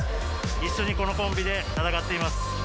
一緒にこのコンビで戦っています。